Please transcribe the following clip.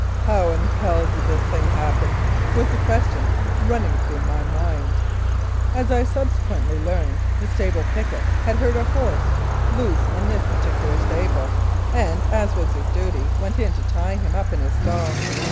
"How in hell did this thing happen ?" was the question running through my mind. As I subsequently learned, the stable picket had heard a horse loose in this particular stable, and, as was his duty, went in to tie him up in his stall.